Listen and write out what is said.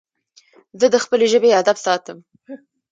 زه د خپلي ژبي ادب ساتم.